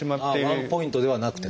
ワンポイントではなくて。